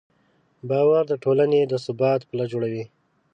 باور د ټولنې د ثبات پله جوړوي.